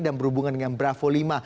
berhubungan dengan bravo lima